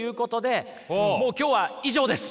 もう今日は以上です。